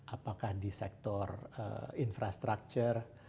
apakah di sektor infrastructure